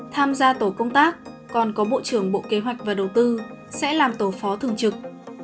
tham gia tổ công tác còn có bộ trưởng bộ kế hoạch và đầu tư sẽ làm tổ phó thường trực